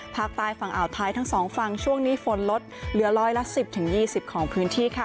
ภาคใต้ฝั่งอ่าวไทยทั้งสองฝั่งช่วงนี้ฝนลดเหลือร้อยละ๑๐๒๐ของพื้นที่ค่ะ